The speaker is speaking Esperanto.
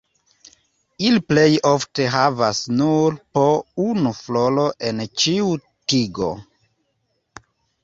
Ili plej ofte havas nur po unu floro en ĉiu tigo.